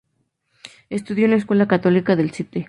Estudió en la escuela católica de St.